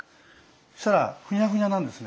そうしたらふにゃふにゃなんですね。